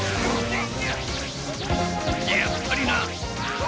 やっぱりな！